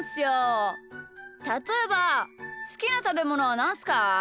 たとえばすきなたべものはなんすか？